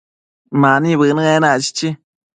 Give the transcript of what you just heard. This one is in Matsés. Mani bënë enac, chichi